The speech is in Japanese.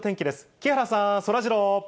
木原さん、そらジロー。